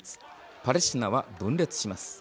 パレスチナは分裂します。